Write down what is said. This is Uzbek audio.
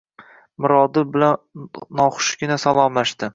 Mirodil bilan noxushgina salomlashdi